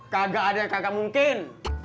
kagak ada yang kagak mungkin